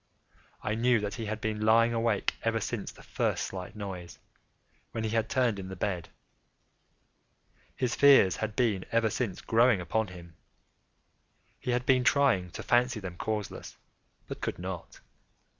I knew that he had been lying awake ever since the first slight noise, when he had turned in the bed. His fears had been ever since growing upon him. He had been trying to fancy them causeless, but could not.